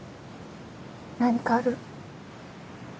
何かある？